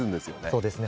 そうですね。